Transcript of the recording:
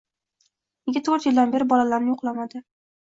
Nega to`rt yildan beri bolalarini yo`qlamadi